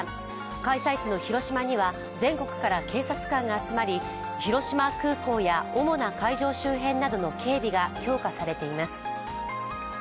開催地の広島には全国から警察官が集まり広島空港や主な会場周辺などの警備が強化されています。